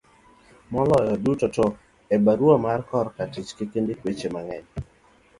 moloyo duto to e barua ma korka tich kik indiki weche mang'eny